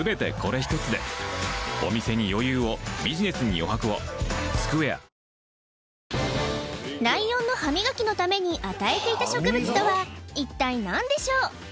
「お椀で食べるシリーズ」ライオンの歯磨きのために与えていた植物とは一体何でしょう？